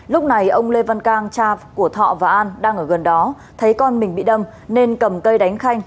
lúc này ông lê văn cang cha của thọ và an đang ở gần đó thấy con mình bị đâm nên cầm cây đánh khanh